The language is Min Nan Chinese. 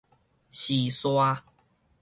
窸倏